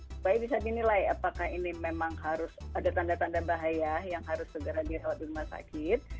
supaya bisa dinilai apakah ini memang harus ada tanda tanda bahaya yang harus segera dirawat di rumah sakit